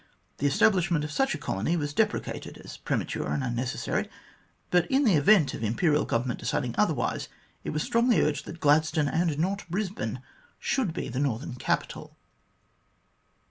The establishment of such a colony was deprecated as premature and unnecessary, but in the event of the Imperial Government deciding otherwise, it was strongly urged that Gladstone, and not Brisbane, should be the northern capital.